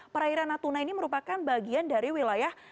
perairan natuna ini merupakan bagian dari wilayah